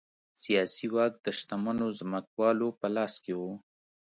سیاسي واک د شتمنو ځمکوالو په لاس کې و.